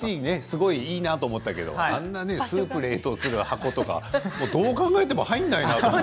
いいなと思ったけどあんなスープの冷凍する箱とかどう考えても入らないもん。